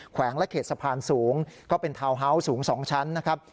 วงและเขตสะพานสูงก็เป็นทาวน์ฮาส์สูง๒ชั้นนะครับ